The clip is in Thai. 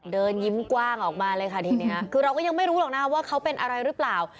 เดินยิ้มกว้างออกมาเลยค่ะทีนี้คือเราก็ยังไม่รู้หรอกนะว่าเขาเป็นอะไรหรือเปล่า